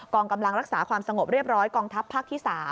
องกำลังรักษาความสงบเรียบร้อยกองทัพภาคที่๓